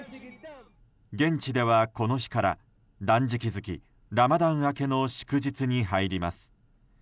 現地では、この日から断食月ラマダン明けの祝日に入ります。